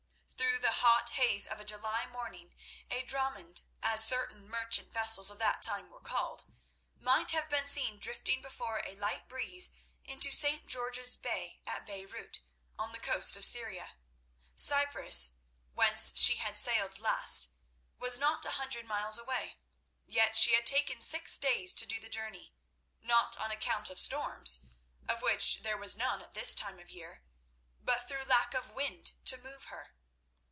Through the hot haze of a July morning a dromon, as certain merchant vessels of that time were called, might have been seen drifting before a light breeze into St. George's Bay at Beirut, on the coast of Syria. Cyprus, whence she had sailed last, was not a hundred miles away, yet she had taken six days to do the journey, not on account of storms—of which there were none at this time of year, but through lack of wind to move her.